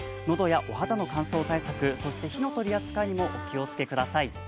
喉やお肌の乾燥対策、そして火の取り扱いもお気をつけください。